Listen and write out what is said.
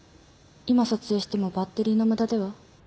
今撮影してもバッテリーの無駄では？